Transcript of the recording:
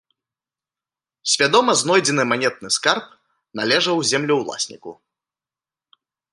Свядома знойдзены манетны скарб належаў землеўласніку.